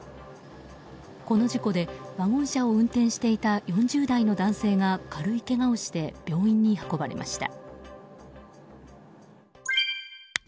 この事故でワゴン車を運転していた４０代の男性が軽いけがをして病院に運ばれました。